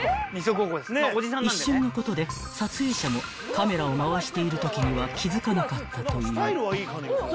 ［一瞬のことで撮影者もカメラを回しているときには気付かなかったという］